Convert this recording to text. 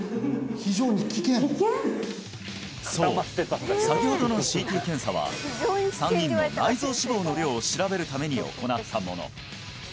そう先ほどのＣＴ検査は３人の内臓脂肪の量を調べるために行ったもの